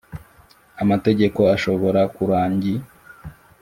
Amategeko ashobora kurangi.